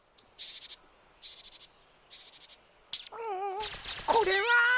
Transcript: うんこれは。